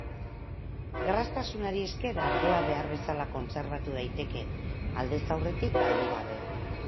Garraztasunari esker ardoa behar bezala kontserbatu daiteke, aldez aurretik galdu gabe.